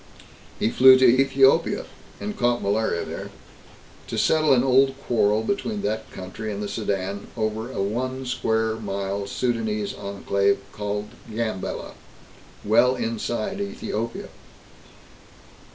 He flew to Ethiopia and caught malaria there to settle an old quarrel between that country and the Sudan over a one square mile Sudanese enclave named Gambela, well inside Ethiopia.